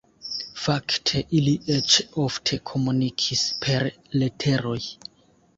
Fakte, ili eĉ ofte komunikis per leteroj.